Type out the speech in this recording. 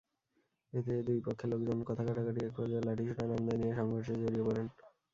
এতে দুই পক্ষের লোকজন কথা-কাটাকাটির একপর্যায়ে লাঠিসোঁটা, রামদা নিয়ে সংঘর্ষ জড়িয়ে পড়েন।